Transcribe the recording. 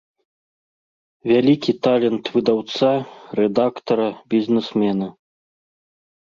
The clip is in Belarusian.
Вялікі талент выдаўца, рэдактара, бізнэсмена.